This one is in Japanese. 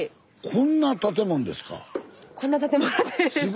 こんな建物です。